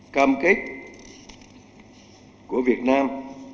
tham kết của việt nam